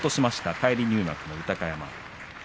返り入幕の豊山。